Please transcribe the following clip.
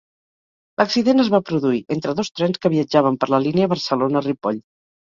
L'accident es va produir entre dos trens que viatjaven per la línia Barcelona-Ripoll.